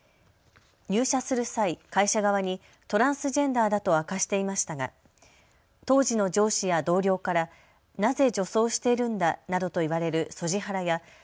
入社する際、会社側にトランスジェンダーだと明かしていましたが当時の上司や同僚からなぜ女装してるんだなどと言われるＳＯＧＩ